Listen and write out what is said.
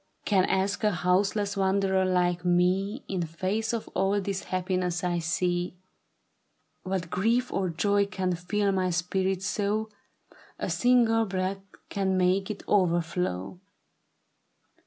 Can ask a houseless wanderer like me In face of all this happiness I see, AMiat grief or joy can fill my spirit so, A single breath can make it overflow."